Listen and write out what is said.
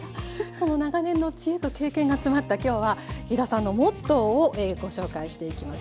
その長年の知恵と経験が詰まった今日は飛田さんのモットーをご紹介していきます。